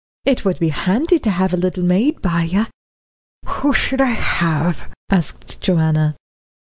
It would be handy to have a little maid by you." "Who should I have?" asked Joanna.